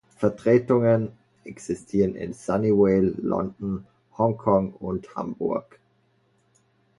Vertretungen existieren in Sunnyvale, London, Hongkong und Hamburg.